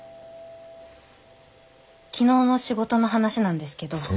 昨日の仕事の話なんですけど。